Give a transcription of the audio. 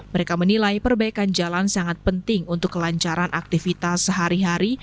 mereka menilai perbaikan jalan sangat penting untuk kelancaran aktivitas sehari hari